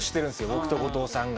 僕と後藤さんが。